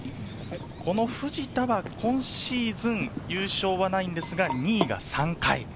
藤田は今シーズン、優勝はないんですが、２位が３回。